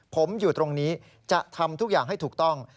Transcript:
ผมอยู่ตรงนี้จะทำทุกอย่างให้ถูกต้อง